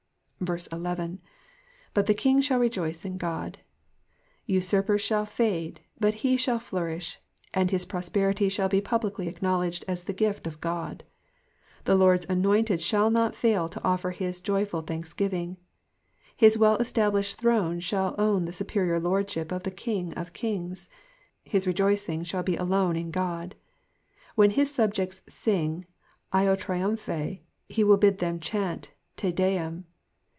11. ^t the king shall rejoice in God,^^ Usurpers shall fade, but ho shall flourish ; and his prosperity shall be publicly acknowledged as the gift of God. The Lord's anointed shall not fail to offer his joyful thanksgiving : his well established throne shall own the superior lordship of the King of kings ; his rejoicing shall be alone in 'jlod. When his subjects sing, /<? trivmpJiey^'' he will bid them chant, 7V i>et/m.''